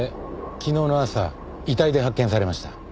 昨日の朝遺体で発見されました。